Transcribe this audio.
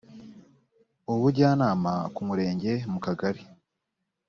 ubujyanama ku murenge mu kagari